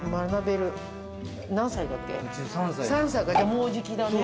もうじきだね。